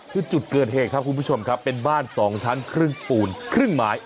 คือจุดเกิดเหตุครับคุณผู้ชมครับเป็นบ้าน๒ชั้นครึ่งปูนครึ่งไม้